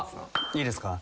いいですか？